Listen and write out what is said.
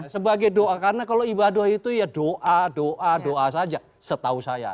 sebagai doa karena kalau ibadah itu ya doa doa doa saja setahu saya